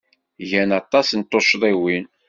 Gan aṭas n tuccḍiwin.